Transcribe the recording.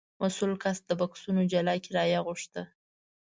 مسوول کس د بکسونو جلا کرایه غوښته.